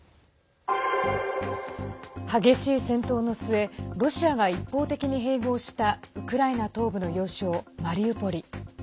激しい戦闘の末ロシアが一方的に併合したウクライナ東部の要衝マリウポリ。